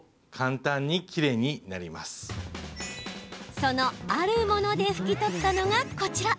その、あるもので拭き取ったのがこちら。